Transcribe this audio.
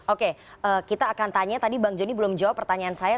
oke kita akan tanya tadi bang joni belum jawab pertanyaan saya